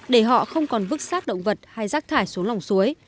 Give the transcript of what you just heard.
để họ không còn vứt sát động vật hay rác thải xuống lòng suối